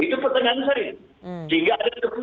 itu pertanyaan saya